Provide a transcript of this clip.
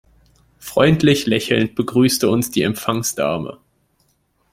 Freundlich lächelnd begrüßte uns die Empfangsdame.